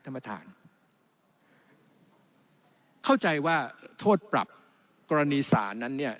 ท่านประธานเข้าใจว่าโทษปรับกรณีศาลนั้นเนี่ย